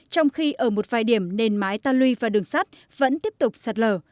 trong khi ở một vài điểm nên mái ta lui và đường sắt vẫn tiếp tục sạt lở